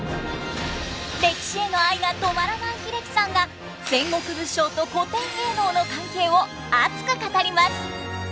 歴史への愛が止まらない英樹さんが戦国武将と古典芸能の関係を熱く語ります！